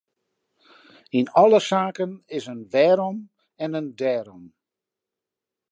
Yn alle saken is in wêrom en in dêrom.